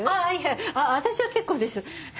あっいや私は結構です。